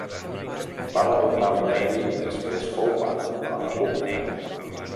Va retornar a l'Imperi i després fou part de la república.